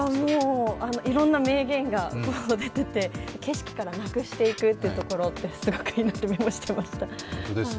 いろんな名言が出ていて景色からなくしていくというところがすごくいいなとメモしていました。